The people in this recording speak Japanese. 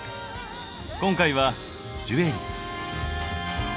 今回は「ジュエリー」。